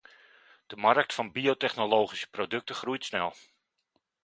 De markt van biotechnologische producten groeit snel.